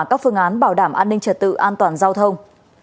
các phương án bảo đảm an ninh trật tự an toàn giao thông